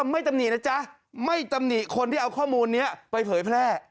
ตำหนินะจ๊ะไม่ตำหนิคนที่เอาข้อมูลนี้ไปเผยแพร่